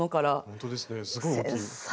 ほんとですねすごい大きい。